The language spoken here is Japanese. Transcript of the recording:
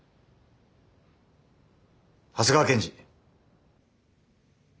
長谷川検事！